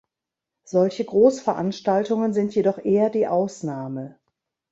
Solche Großveranstaltungen sind jedoch eher die Ausnahme.